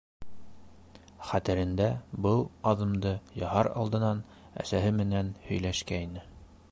Хәтерендә был аҙымды яһар алдынан әсәһе менән һөйләшкәйне.